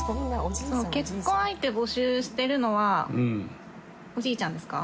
結婚相手募集してるのはおじいちゃんですか？